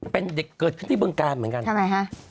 เป็นเด็กเกิดขึ้นที่บึงการเหมือนกันทำไมฮะ